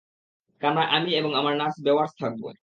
কামরায় আমি এবং আমার নার্স বাওয়্যার্স থাকবে।